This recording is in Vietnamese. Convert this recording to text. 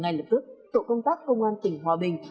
ngay lập tức tổ công tác công an tỉnh hòa bình